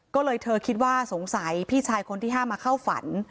ก็เลยเธอคิดว่าสงสัยพี่ชายคนที่๕มาเข้าฝัน